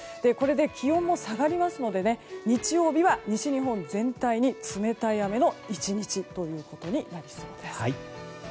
これで気温も下がりますので日曜日は西日本全体に冷たい雨の１日ということになりそうです。